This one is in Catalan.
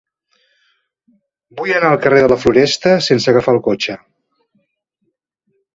Vull anar al carrer de la Floresta sense agafar el cotxe.